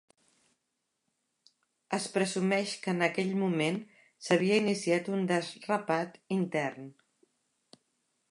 Es presumeix que en aquell moment s'havia iniciat un desrapat intern.